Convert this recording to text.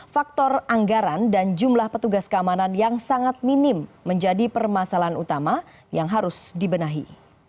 faktor anggaran dan jumlah petugas keamanan yang sangat minim menjadi permasalahan utama yang harus dibenahi